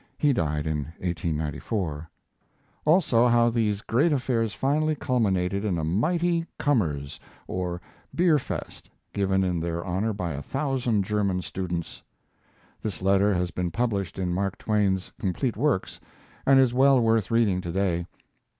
He died in 1894.] also how these great affairs finally culminated in a mighty 'commers', or beer fest, given in their honor by a thousand German students. This letter has been published in Mark Twain's "Complete Works," and is well worth reading to day.